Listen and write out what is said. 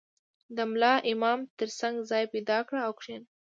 • د ملا امام تر څنګ ځای پیدا کړه او کښېنه.